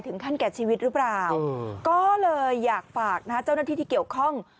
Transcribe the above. ถึงขั้นแก่ชีวิตหรือเปล่าก็เลยอยากฝากเจ้านักที่เกี่ยวข้อง